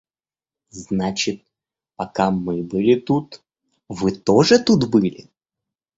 Значит, пока мы были тут, вы тоже тут были?